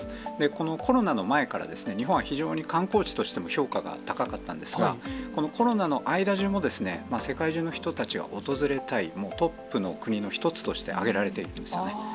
このコロナの前から、日本は非常に観光地としても評価が高かったんですが、このコロナの間じゅうも、世界中の人たちが訪れたい、もうトップの国の一つとして挙げられているんですね。